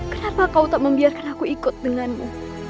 kenapa kau tak membiarkan aku ikut denganmu